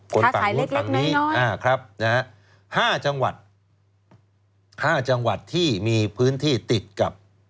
ค่าขายเล็กน้อยนะครับ๕จังหวัดที่มีพื้นที่ติดกับ